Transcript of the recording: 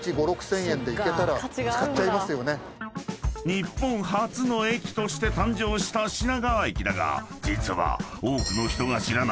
［日本初の駅として誕生した品川駅だが実は］